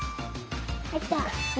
できた！